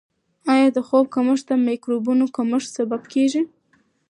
آیا د خوب کمښت د مایکروبونو کمښت سبب کیږي؟